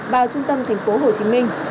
vào trung tâm tp hcm